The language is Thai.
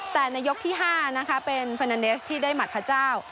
แต่ในยกที่๕นะคะเป็นเฟอร์นาเนสที่ได้หัดพระเจ้า